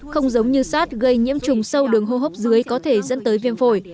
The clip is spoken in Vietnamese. không giống như sars gây nhiễm trùng sâu đường hô hấp dưới có thể dẫn tới viêm phổi